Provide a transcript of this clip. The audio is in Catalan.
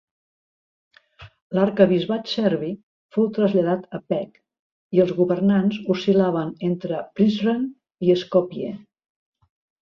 L'arquebisbat serbi fou traslladat a Pec i els governants oscil·laven entre Prizren i Skopje.